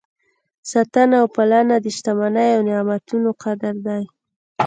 ساتنه او پالنه د شتمنۍ او نعمتونو قدر دی.